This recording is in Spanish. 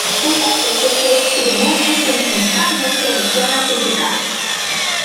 Esta especie se distribuye principalmente en zonas tropicales.